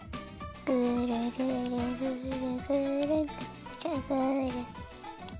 ぐるぐるぐるぐるぐるぐる。